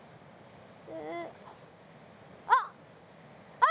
あっ！